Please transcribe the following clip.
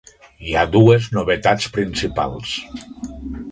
Hi ha dues novetats principals.